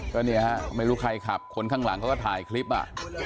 ก็เนี่ยฮะไม่รู้ใครขับคนข้างหลังเขาก็ถ่ายคลิปอ่ะ